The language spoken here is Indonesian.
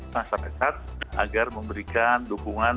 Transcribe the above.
masyarakat agar memberikan dukungan